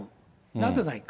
なぜないか。